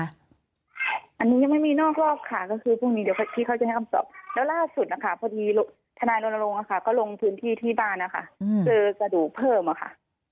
อันนี้ยังไม่มีนอกรอบค่ะก็คือพรุ่งนี้เดี๋ยวที่เขาจะได้คำตอบแล้วล่าสุดนะคะพอดีทนายรณรงค์ก็ลงพื้นที่ที่บ้านนะคะเจอกระดูกเพิ่มอะค่ะ